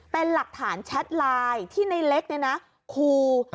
เป็นหลักฐานแชทไลน์ที่ในเล็กเนี่ยนะครู